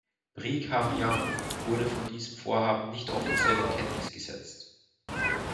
Brigham Young wurde von diesem Vorhaben nicht offiziell in Kenntnis gesetzt.